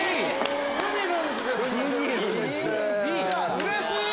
うれしい！